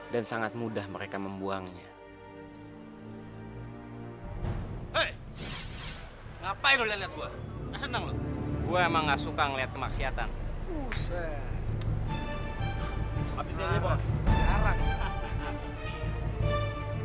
dengar itu waktu silakan